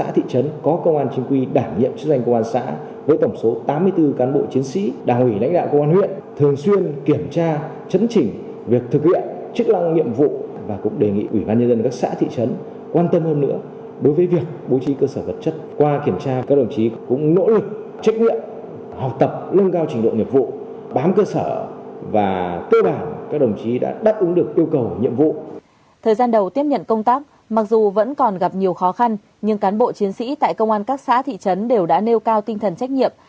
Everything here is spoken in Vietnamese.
thời gian đầu tiếp nhận công tác mặc dù vẫn còn gặp nhiều khó khăn nhưng cán bộ chiến sĩ tại công an các xã thị trấn đều đã nêu cao tinh thần trách nhiệm